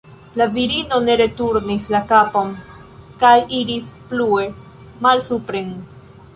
La virino ne returnis la kapon kaj iris plue malsupren.